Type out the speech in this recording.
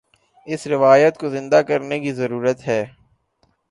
اس روایت کو زندہ کرنے کی ضرورت ہے۔